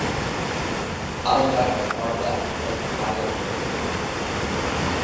Out of sight on the far left was the Highland Brigade.